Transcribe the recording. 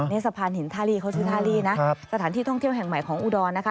นี่สะพานหินท่าลีเขาชื่อท่าลี่นะสถานที่ท่องเที่ยวแห่งใหม่ของอุดรนะคะ